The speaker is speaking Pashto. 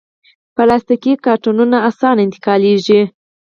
پلاستيکي کارتنونه اسانه انتقالېږي.